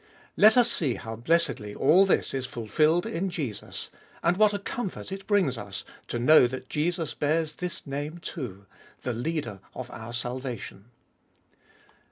Let us see how blessedly all this is fulfilled in Jesus, and what a comfort it brings us to know that Jesus bears this name too : the Leader of our salvation.